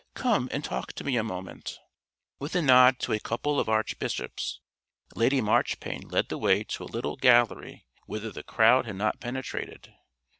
"Come and talk to me a moment." With a nod to a couple of Archbishops Lady Marchpane led the way to a little gallery whither the crowd had not penetrated.